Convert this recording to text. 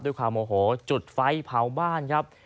ด้วยความโมโหจุดไฟเผาบ้านครับ